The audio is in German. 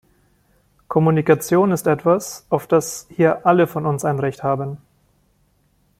Kommunikation ist etwas, auf das hier alle von uns ein Recht haben.